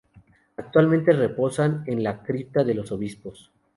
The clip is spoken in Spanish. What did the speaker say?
Actualmente reposan en la cripta de los obispos.